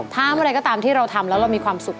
ทำอะไรก็ตามที่เราทำแล้วเรามีความสุข